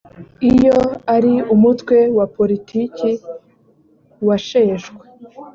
iyo ari umutwe wa politiki washeshwe